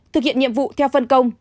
thực hiện nhiệm vụ theo phân công